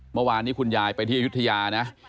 เมื่อวานนี้คุณยายไปที่อายุทยานะ